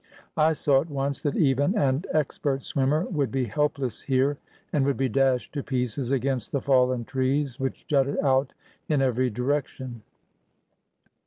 I saw at once that even an expert swimmer would be helpless here, and would be dashed to pieces against the fallen trees which jutted out in every direction.